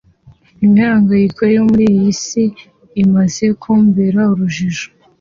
imihangayiko yo muri iyi si imaze kumbera urujijo